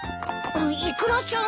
イクラちゃんは？